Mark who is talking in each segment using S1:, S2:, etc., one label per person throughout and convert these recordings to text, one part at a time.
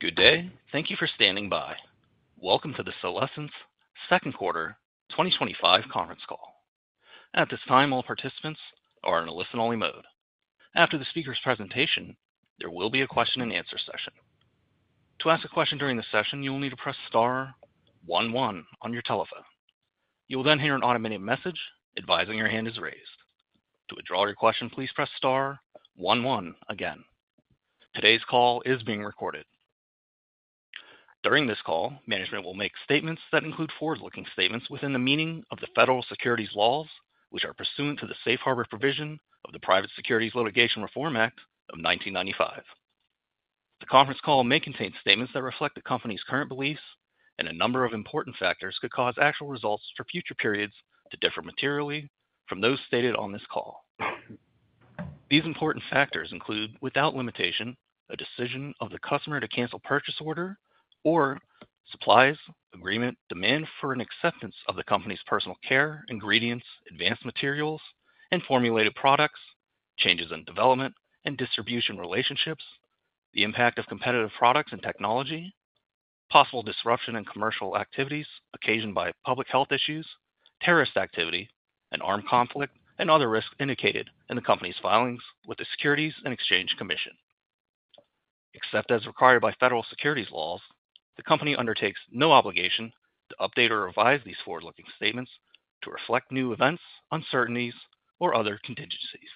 S1: Good day. Thank you for standing by. Welcome to the Solésence second quarter 2025 conference call. At this time, all participants are in a listen-only mode. After the speaker's presentation, there will be a question and answer session. To ask a question during the session, you will need to press star one one on your telephone. You will then hear an automated message advising your hand is raised. To withdraw your question, please press star one one again. Today's call is being recorded. During this call, management will make statements that include forward-looking statements within the meaning of the federal securities laws, which are pursuant to the safe harbor provision of the Private Securities Litigation Reform Act of 1995. The conference call may contain statements that reflect the company's current beliefs, and a number of important factors could cause actual results for future periods to differ materially from those stated on this call. These important factors include, without limitation, a decision of the customer to cancel purchase order or supplies agreement, demand for and acceptance of the company's personal care, ingredients, advanced materials, and formulated products, changes in development and distribution relationships, the impact of competitive products and technology, possible disruption in commercial activities occasioned by public health issues, terrorist activity, an armed conflict, and other risks indicated in the company's filings with the Securities and Exchange Commission. Except as required by federal securities laws, the company undertakes no obligation to update or revise these forward-looking statements to reflect new events, uncertainties, or other contingencies.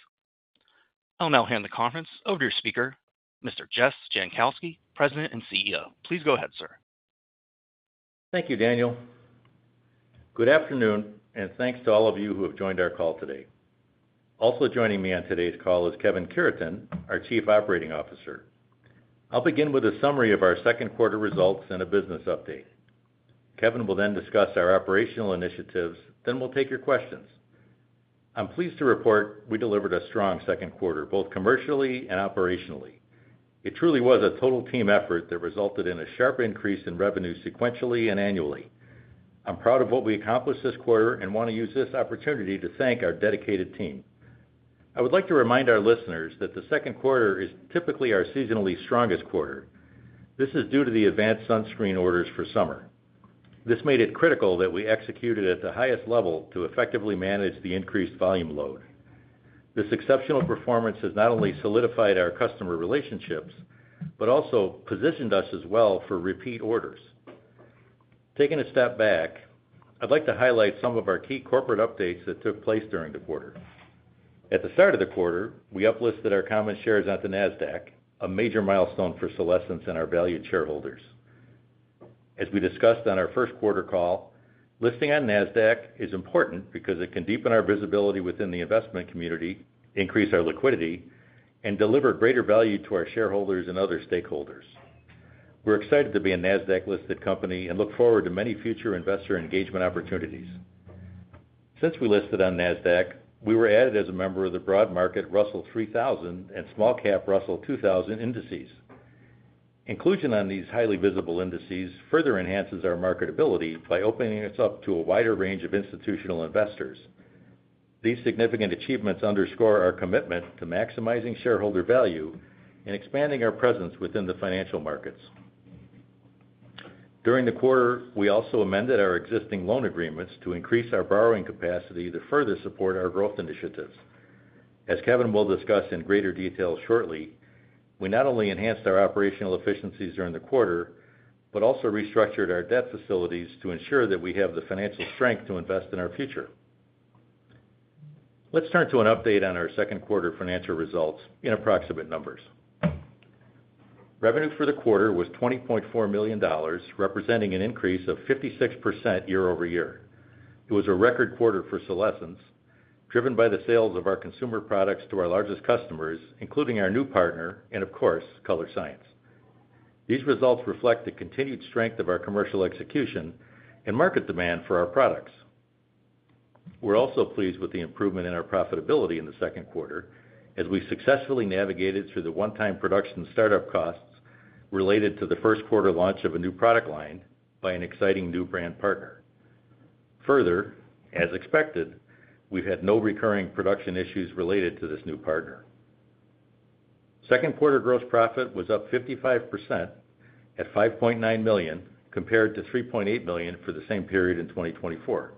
S1: I'll now hand the conference over to your speaker, Mr. Jess Jankowski, President and CEO. Please go ahead, sir.
S2: Thank you, Daniel. Good afternoon, and thanks to all of you who have joined our call today. Also joining me on today's call is Kevin Cureton, our Chief Operating Officer. I'll begin with a summary of our second quarter results and a business update. Kevin will then discuss our operational initiatives, then we'll take your questions. I'm pleased to report we delivered a strong second quarter, both commercially and operationally. It truly was a total team effort that resulted in a sharp increase in revenue sequentially and annually. I'm proud of what we accomplished this quarter and want to use this opportunity to thank our dedicated team. I would like to remind our listeners that the second quarter is typically our seasonally strongest quarter. This is due to the advanced sunscreen orders for summer. This made it critical that we executed at the highest level to effectively manage the increased volume load. This exceptional performance has not only solidified our customer relationships, but also positioned us as well for repeat orders. Taking a step back, I'd like to highlight some of our key corporate updates that took place during the quarter. At the start of the quarter, we uplisted our common shares on the NASDAQ, a major milestone for Solésence and our valued shareholders. As we discussed on our first quarter call, listing on NASDAQ is important because it can deepen our visibility within the investment community, increase our liquidity, and deliver greater value to our shareholders and other stakeholders. We're excited to be a NASDAQ-listed company and look forward to many future investor engagement opportunities. Since we listed on NASDAQ, we were added as a member of the broad market Russell 3000 and small cap Russell 2000 indices. Inclusion on these highly visible indices further enhances our marketability by opening us up to a wider range of institutional investors. These significant achievements underscore our commitment to maximizing shareholder value and expanding our presence within the financial markets. During the quarter, we also amended our existing loan agreements to increase our borrowing capacity to further support our growth initiatives. As Kevin will discuss in greater detail shortly, we not only enhanced our operational efficiencies during the quarter, but also restructured our debt facilities to ensure that we have the financial strength to invest in our future. Let's turn to an update on our second quarter financial results in approximate numbers. Revenue for the quarter was $20.4 million, representing an increase of 56% year-over-year. It was a record quarter for Solésence, driven by the sales of our consumer products to our largest customers, including our new partner and, of course, Colorescience. These results reflect the continued strength of our commercial execution and market demand for our products. We're also pleased with the improvement in our profitability in the second quarter, as we successfully navigated through the one-time production startup costs related to the first quarter launch of a new product line by an exciting new brand partner. Further, as expected, we've had no recurring production issues related to this new partner. Second quarter gross profit was up 55% at $5.9 million compared to $3.8 million for the same period in 2024.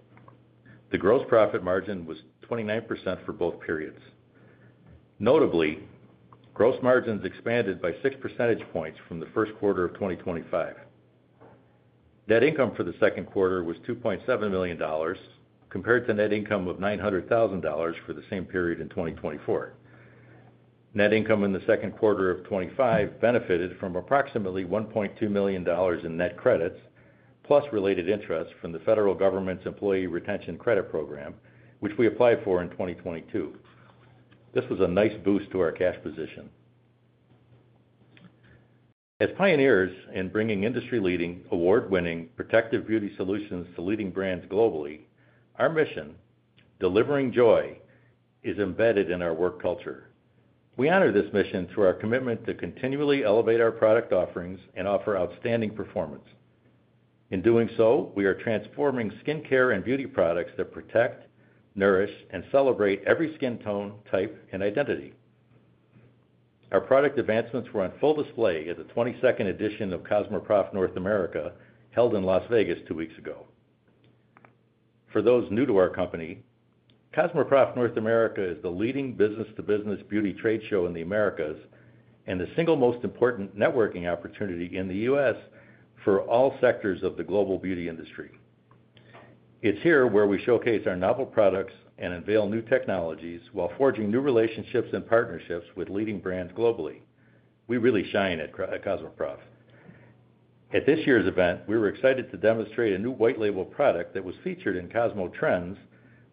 S2: The gross profit margin was 29% for both periods. Notably, gross margins expanded by six percentage points from the first quarter of 2025. Net income for the second quarter was $2.7 million compared to net income of $900,000 for the same period in 2024. Net income in the second quarter of 2025 benefited from approximately $1.2 million in net credits, plus related interest from the federal government's Employee Retention Credit Program, which we applied for in 2022. This was a nice boost to our cash position. As pioneers in bringing industry-leading, award-winning protective beauty solutions to leading brands globally, our mission, delivering joy, is embedded in our work culture. We honor this mission through our commitment to continually elevate our product offerings and offer outstanding performance. In doing so, we are transforming skincare and beauty products that protect, nourish, and celebrate every skin tone, type, and identity. Our product advancements were on full display at the 22nd edition of Cosmoprof North America, held in Las Vegas two weeks ago. For those new to our company, Cosmoprof North America is the leading business-to-business beauty trade show in the Americas and the single most important networking opportunity in the U.S. for all sectors of the global beauty industry. It's here where we showcase our novel products and unveil new technologies while forging new relationships and partnerships with leading brands globally. We really shine at Cosmoprof. At this year's event, we were excited to demonstrate a new white label product that was featured in Cosmo Trends,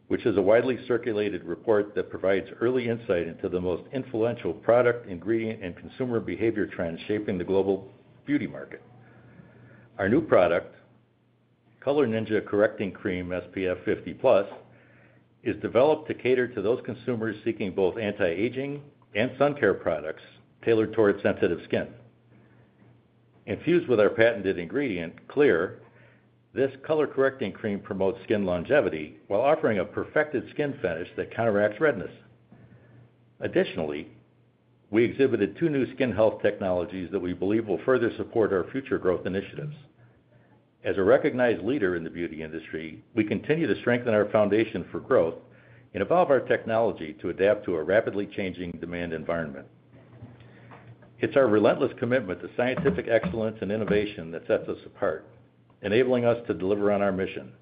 S2: which is a widely circulated report that provides early insight into the most influential product, ingredient, and consumer behavior trends shaping the global beauty market. Our new product, Color Ninja Correcting Cream SPF 50+, is developed to cater to those consumers seeking both anti-aging and sun care products tailored towards sensitive skin. Infused with our patented ingredient, Kleair technology, this color-correcting cream promotes skin longevity while offering a perfected skin finish that counteracts redness. Additionally, we exhibited two new skin health technologies that we believe will further support our future growth initiatives. As a recognized leader in the beauty industry, we continue to strengthen our foundation for growth and evolve our technology to adapt to a rapidly changing demand environment. It's our relentless commitment to scientific excellence and innovation that sets us apart, enabling us to deliver on our mission.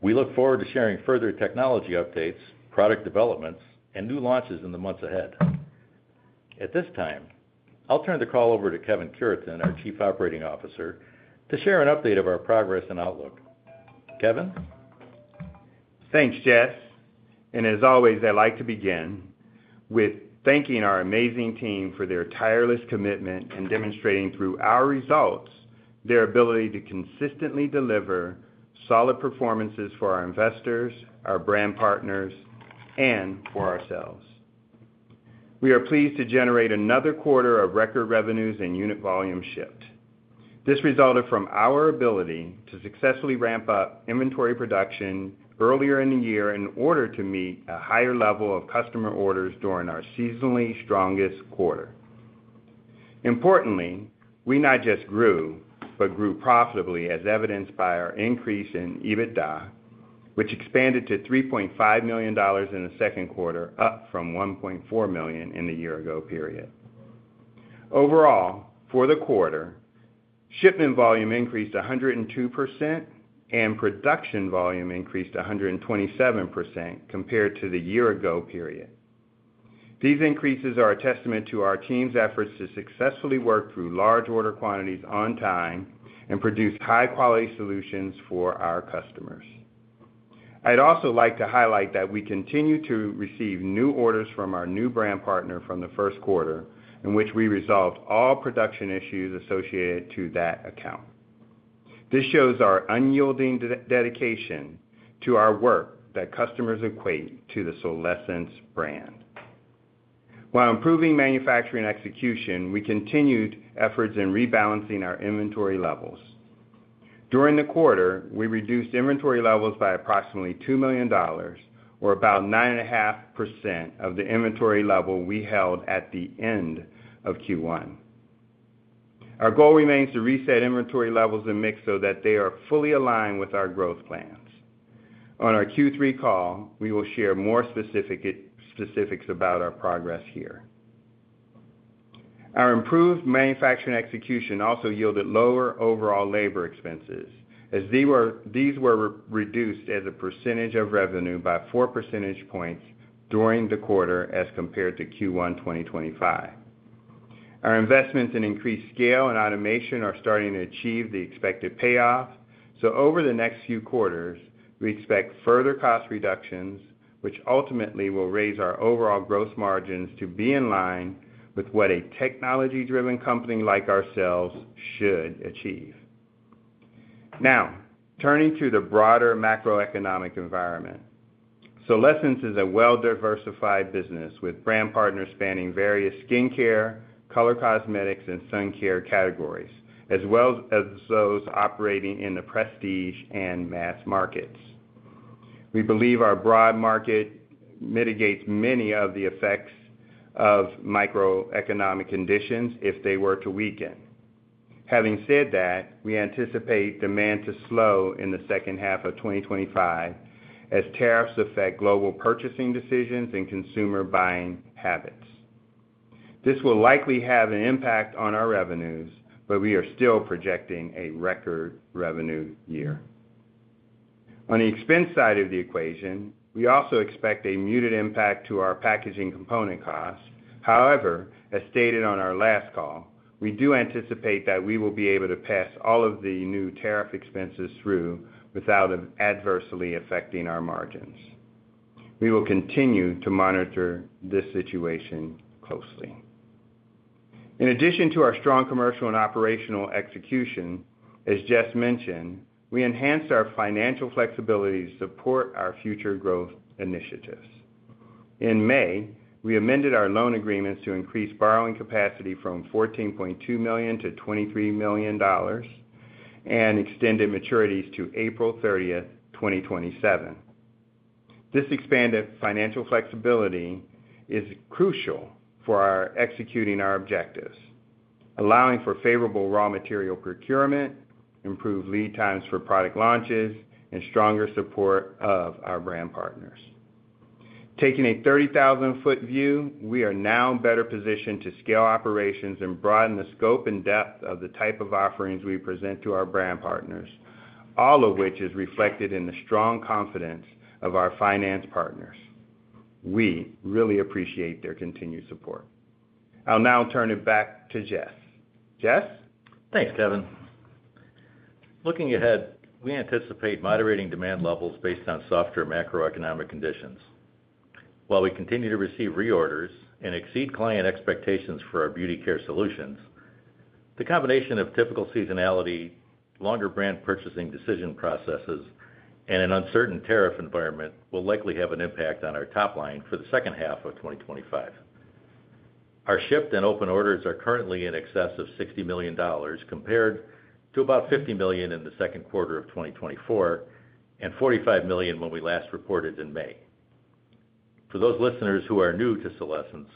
S2: We look forward to sharing further technology updates, product developments, and new launches in the months ahead. At this time, I'll turn the call over to Kevin Cureton, our Chief Operating Officer, to share an update of our progress and outlook. Kevin? Thanks, Jess.
S3: As always, I'd like to begin with thanking our amazing team for their tireless commitment and demonstrating through our results their ability to consistently deliver solid performances for our investors, our brand partners, and for ourselves. We are pleased to generate another quarter of record revenues and unit volume shift. This resulted from our ability to successfully ramp up inventory production earlier in the year in order to meet a higher level of customer orders during our seasonally strongest quarter. Importantly, we not just grew, but grew profitably as evidenced by our increase in EBITDA, which expanded to $3.5 million in the second quarter, up from $1.4 million in the year-ago period. Overall, for the quarter, shipment volume increased 102% and production volume increased 127% compared to the year-ago period. These increases are a testament to our team's efforts to successfully work through large order quantities on time and produce high-quality solutions for our customers. I'd also like to highlight that we continue to receive new orders from our new brand partner from the first quarter, in which we resolved all production issues associated with that account. This shows our unyielding dedication to our work that customers equate to the Solésence brand. While improving manufacturing execution, we continued efforts in rebalancing our inventory levels. During the quarter, we reduced inventory levels by approximately $2 million, or about 9.5% of the inventory level we held at the end of Q1. Our goal remains to reset inventory levels and mix so that they are fully aligned with our growth plans. On our Q3 call, we will share more specifics about our progress here. Our improved manufacturing execution also yielded lower overall labor expenses, as these were reduced as a percentage of revenue by 4 percentage points during the quarter as compared to Q1 2025. Our investments in increased scale and automation are starting to achieve the expected payoff. Over the next few quarters, we expect further cost reductions, which ultimately will raise our overall gross margins to be in line with what a technology-driven company like ourselves should achieve. Now, turning to the broader macroeconomic environment, Solésence is a well-diversified business with brand partners spanning various skincare, color cosmetics, and sun care categories, as well as those operating in the prestige and mass markets. We believe our broad market mitigates many of the effects of macroeconomic conditions if they were to weaken. Having said that, we anticipate demand to slow in the second half of 2025 as tariffs affect global purchasing decisions and consumer buying habits. This will likely have an impact on our revenues, but we are still projecting a record revenue year. On the expense side of the equation, we also expect a muted impact to our packaging component costs. However, as stated on our last call, we do anticipate that we will be able to pass all of the new tariff expenses through without adversely affecting our margins. We will continue to monitor this situation closely. In addition to our strong commercial and operational execution, as Jess mentioned, we enhanced our financial flexibility to support our future growth initiatives. In May, we amended our loan agreements to increase borrowing capacity from $14.2 million to $23 million and extended maturities to April 30th, 2027. This expanded financial flexibility is crucial for executing our objectives, allowing for favorable raw material procurement, improved lead times for product launches, and stronger support of our brand partners. Taking a 30,000-foot view, we are now better positioned to scale operations and broaden the scope and depth of the type of offerings we present to our brand partners, all of which is reflected in the strong confidence of our finance partners. We really appreciate their continued support. I'll now turn it back to Jess. Jess?
S2: Thanks, Kevin. Looking ahead, we anticipate moderating demand levels based on softer macroeconomic conditions. While we continue to receive reorders and exceed client expectations for our beauty care solutions, the combination of typical seasonality, longer brand purchasing decision processes, and an uncertain tariff environment will likely have an impact on our top line for the second half of 2025. Our shift in open orders is currently in excess of $60 million compared to about $50 million in the second quarter of 2024 and $45 million when we last reported in May. For those listeners who are new to Solésence,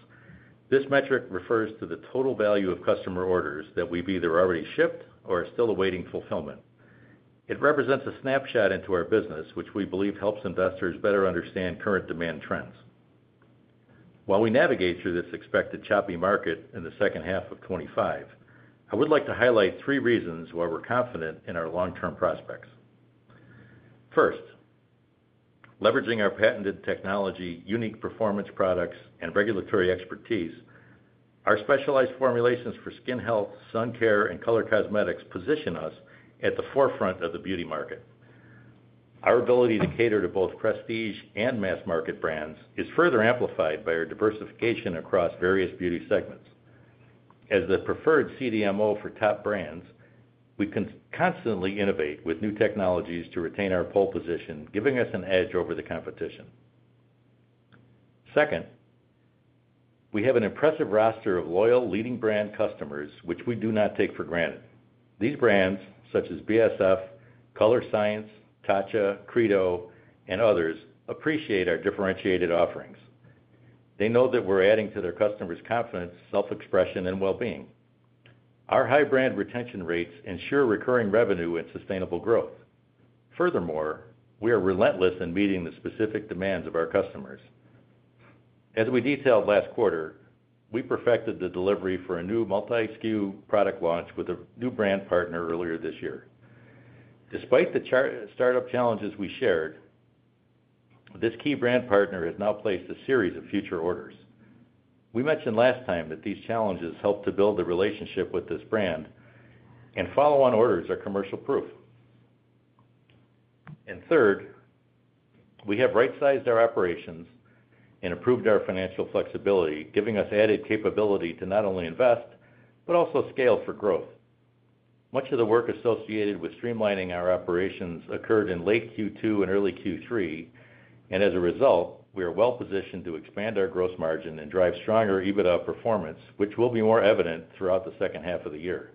S2: this metric refers to the total value of customer orders that we've either already shipped or are still awaiting fulfillment. It represents a snapshot into our business, which we believe helps investors better understand current demand trends. While we navigate through this expected choppy market in the second half of 2025, I would like to highlight three reasons why we're confident in our long-term prospects. First, leveraging our patented technology, unique performance products, and regulatory expertise, our specialized formulations for skin health, sun care, and color cosmetics position us at the forefront of the beauty market. Our ability to cater to both prestige and mass market brands is further amplified by our diversification across various beauty segments. As the preferred CDMO for top brands, we constantly innovate with new technologies to retain our pole position, giving us an edge over the competition. Second, we have an impressive roster of loyal, leading brand customers, which we do not take for granted. These brands, such as BASF, Colorescience, Tatcha, Credo, and others, appreciate our differentiated offerings. They know that we're adding to their customers' confidence, self-expression, and well-being. Our high brand retention rates ensure recurring revenue and sustainable growth. Furthermore, we are relentless in meeting the specific demands of our customers. As we detailed last quarter, we perfected the delivery for a new multi-skin product launch with a new brand partner earlier this year. Despite the startup challenges we shared, this key brand partner has now placed a series of future orders. We mentioned last time that these challenges help to build a relationship with this brand, and follow-on orders are commercial proof. Third, we have right-sized our operations and improved our financial flexibility, giving us added capability to not only invest, but also scale for growth. Much of the work associated with streamlining our operations occurred in late Q2 and early Q3, and as a result, we are well positioned to expand our gross margin and drive stronger EBITDA performance, which will be more evident throughout the second half of the year.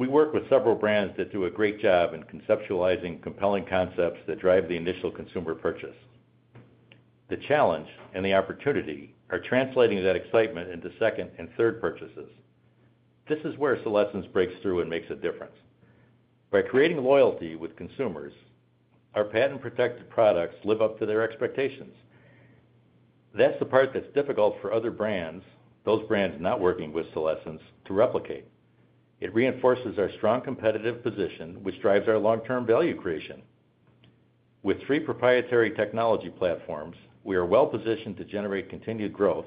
S2: We work with several brands that do a great job in conceptualizing compelling concepts that drive the initial consumer purchase. The challenge and the opportunity are translating that excitement into second and third purchases. This is where Solésence breaks through and makes a difference. By creating loyalty with consumers, our patent-protected products live up to their expectations. That's the part that's difficult for other brands, those brands not working with Solésence, to replicate. It reinforces our strong competitive position, which drives our long-term value creation. With three proprietary technology platforms, we are well positioned to generate continued growth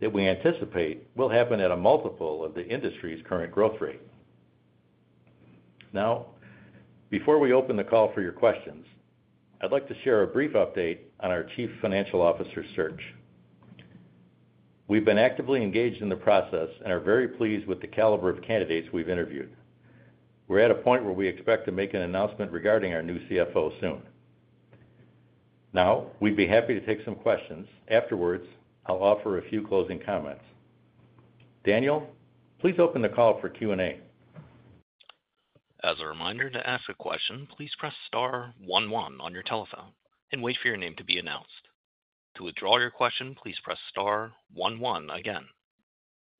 S2: that we anticipate will happen at a multiple of the industry's current growth rate. Now, before we open the call for your questions, I'd like to share a brief update on our Chief Financial Officer search. We've been actively engaged in the process and are very pleased with the caliber of candidates we've interviewed. We're at a point where we expect to make an announcement regarding our new CFO soon. Now, we'd be happy to take some questions. Afterwards, I'll offer a few closing comments. Daniel, please open the call for Q&A.
S1: As a reminder to ask a question, please press star one one on your telephone and wait for your name to be announced. To withdraw your question, please press star one one again.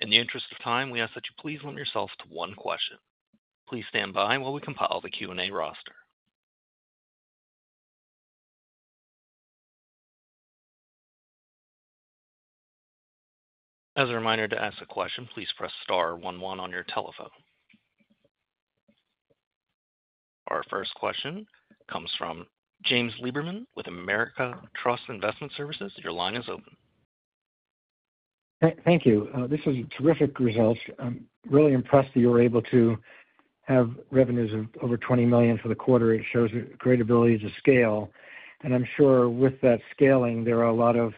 S1: In the interest of time, we ask that you please limit yourself to one question. Please stand by while we compile the Q&A roster. As a reminder to ask a question, please press star one one on your telephone. Our first question comes from James Lieberman with America Trust Investment Services. Your line is open.
S4: Thank you. This was a terrific result. I'm really impressed that you were able to have revenues of over $20 million for the quarter. It shows a great ability to scale. I'm sure with that scaling, there are a lot of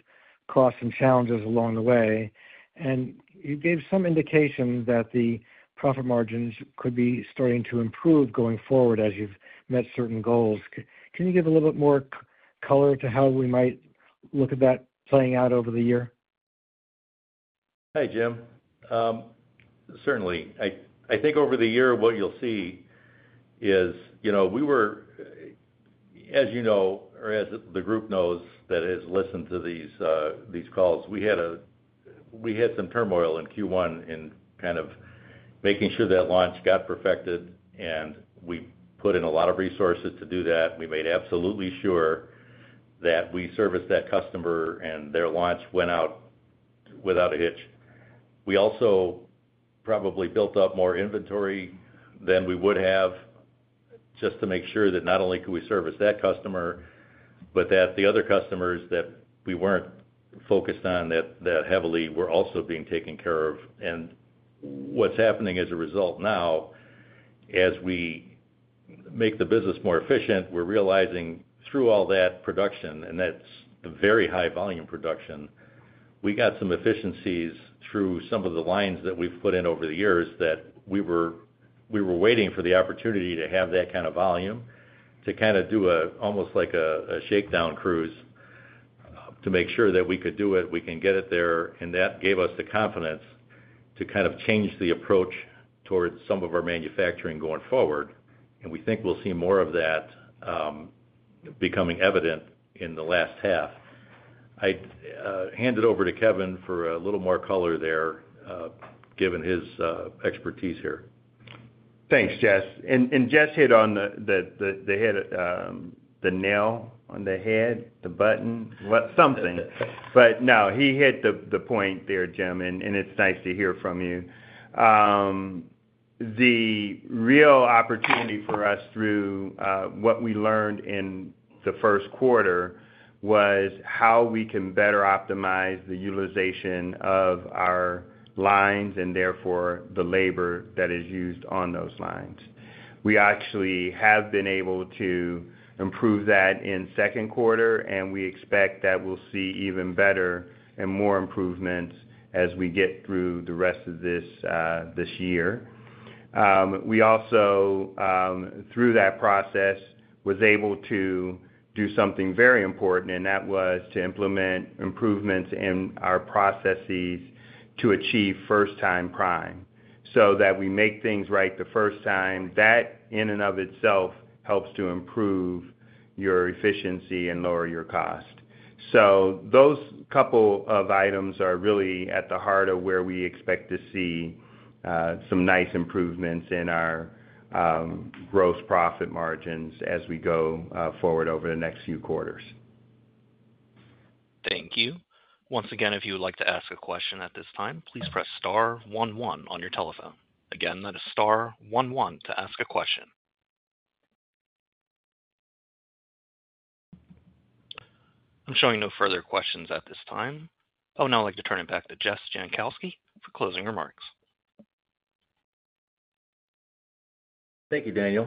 S4: costs and challenges along the way. You gave some indication that the profit margins could be starting to improve going forward as you've met certain goals. Can you give a little bit more color to how we might look at that playing out over the year?
S2: Hey, Jim. Certainly. I think over the year, what you'll see is, you know, we were, as you know, or as the group knows that has listened to these calls, we had some turmoil in Q1 in kind of making sure that launch got perfected, and we put in a lot of resources to do that. We made absolutely sure that we serviced that customer, and their launch went out without a hitch. We also probably built up more inventory than we would have just to make sure that not only could we service that customer, but that the other customers that we weren't focused on that heavily were also being taken care of. What's happening as a result now, as we make the business more efficient, we're realizing through all that production, and that's a very high volume production, we got some efficiencies through some of the lines that we've put in over the years that we were waiting for the opportunity to have that kind of volume to kind of do almost like a shakedown cruise to make sure that we could do it, we can get it there, and that gave us the confidence to kind of change the approach towards some of our manufacturing going forward. We think we'll see more of that becoming evident in the last half. I'd hand it over to Kevin for a little more color there, given his expertise here.
S3: Thanks, Jess. Jess hit the nail on the head, the button, something. He hit the point there, Jim, and it's nice to hear from you. The real opportunity for us through what we learned in the first quarter was how we can better optimize the utilization of our lines and therefore the labor that is used on those lines. We actually have been able to improve that in the second quarter, and we expect that we'll see even better and more improvements as we get through the rest of this year. We also, through that process, were able to do something very important, and that was to implement improvements in our processes to achieve first-time prime so that we make things right the first time. That, in and of itself, helps to improve your efficiency and lower your cost. Those couple of items are really at the heart of where we expect to see some nice improvements in our gross profit margins as we go forward over the next few quarters.
S1: Thank you. Once again, if you would like to ask a question at this time, please press star one one on your telephone. Again, that is star one one to ask a question. I'm showing no further questions at this time. I would now like to turn it back to Jess Jankowski for closing remarks.
S2: Thank you, Daniel.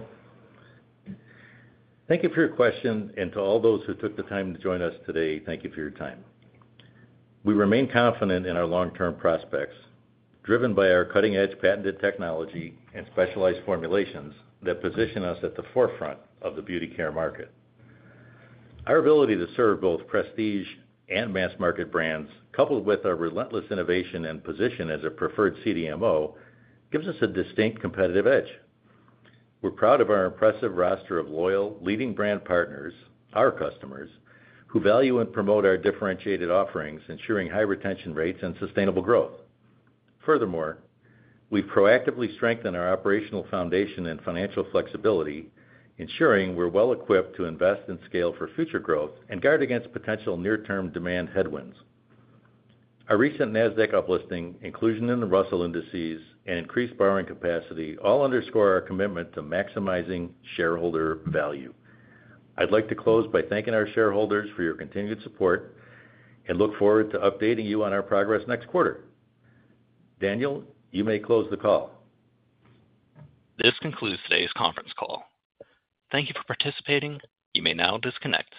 S2: Thank you for your question, and to all those who took the time to join us today, thank you for your time. We remain confident in our long-term prospects, driven by our cutting-edge patented technology and specialized formulations that position us at the forefront of the beauty care market. Our ability to serve both prestige and mass market brands, coupled with our relentless innovation and position as a preferred CDMO, gives us a distinct competitive edge. We're proud of our impressive roster of loyal, leading brand partners, our customers, who value and promote our differentiated offerings, ensuring high retention rates and sustainable growth. Furthermore, we've proactively strengthened our operational foundation and financial flexibility, ensuring we're well equipped to invest and scale for future growth and guard against potential near-term demand headwinds. Our recent NASDAQ uplisting, inclusion in the Russell indices, and increased borrowing capacity all underscore our commitment to maximizing shareholder value. I'd like to close by thanking our shareholders for your continued support and look forward to updating you on our progress next quarter. Daniel, you may close the call.
S1: This concludes today's conference call. Thank you for participating. You may now disconnect.